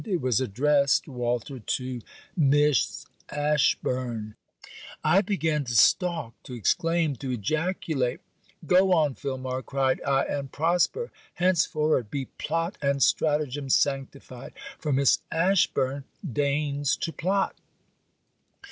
It was addressed, Walter, to Miss Ashburn. I began to stalk, to exclaim, to ejaculate. Go on, Filmar, cried I, and prosper! Henceforward be plot and stratagem sanctified! for Miss Ashburn deigns to plot.